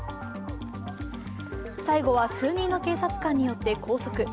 最後は数人の警察官によって拘束。